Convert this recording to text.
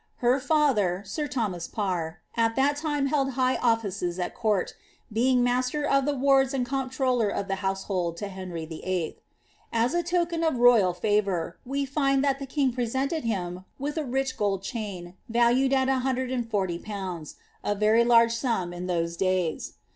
Her father, sir Thomas Parr, at that time held high offices at court, being master of the wards and comptroller of the household to Henry VIII. As a token of royal fe vour, we find that the king presented him with a rich gold chain, value £140 — ^a very large sum in those days.